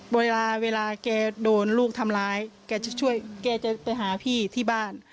เวลาเวลาแกโดนลูกทำร้ายแกจะช่วยแกจะไปหาพี่ที่บ้าน